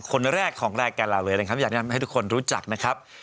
คนแรกของแรกแกลาเวย์อย่างนั้นให้ทุกคนรู้จักนะครับ